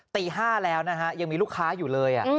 ตี๕แล้วนะฮะยังมีลูกค้าอยู่เลย